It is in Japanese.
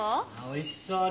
おいしそう。